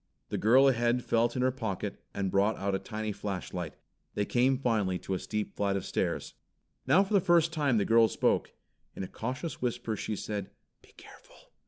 The girl ahead felt in her pocket, and brought out a tiny flashlight. They came finally to a steep flight of stairs. Now for the first time the girl spoke. In a cautious whisper she said, "Be careful!"